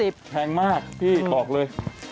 แพงมากพี่บอกเลย